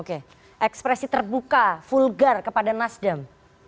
oke ekspresi terbuka vulgar kepada nasdem